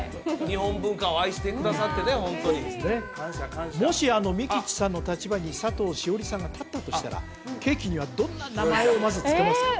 日本文化を愛してくださってねもしミキッチさんの立場に佐藤栞里さんが立ったとしたらケーキにはどんな名前をまず付けますか？